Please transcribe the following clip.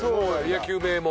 野球名門。